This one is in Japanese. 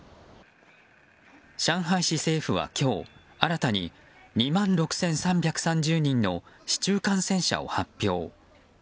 上海市政府は今日新たに２万６３３０人の市中感染者を発表。